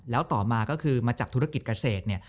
แล้วต่อมาก็คือมาจับธุรกิจเกษตรเนี่ย